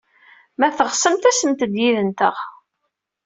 Ma teɣsemt, asemt-d yid-nteɣ.